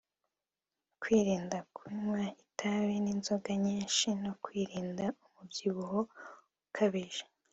kwirinda kunywa itabi n’inzonga nyinshi no kwirinda umubyibuho ukabije